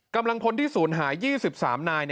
กำลังพลที่ศูนย์หาย๒๓นาย